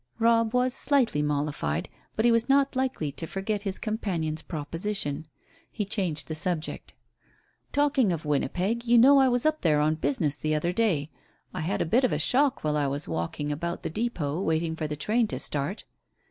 Robb was slightly mollified, but he was not likely to forget his companion's proposition. He changed the subject. "Talking of Winnipeg, you know I was up there on business the other day. I had a bit of a shock while I was walking about the depôt waiting for the train to start."